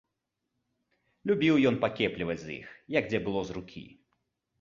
Любіў ён пакепліваць з іх, як дзе было з рукі.